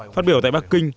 phát biểu tại bắc kinh